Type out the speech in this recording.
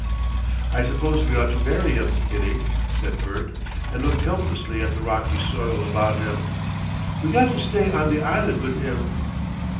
"I suppose we ought to bury 'im, Kitty," said Bert, and looked helplessly at the rocky soil about him. "We got to stay on the island with 'im."